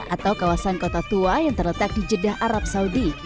atau kawasan kota tua yang terletak di jeddah arab saudi